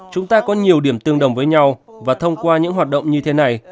chúng ta có nhiều điểm tương đồng với nhau và thông qua những hoạt động như thế này